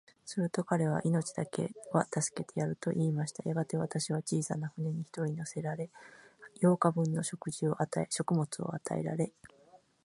すると彼は、命だけは助けてやる、と言いました。やがて、私は小さな舟に一人乗せられ、八日分の食物を与えられ、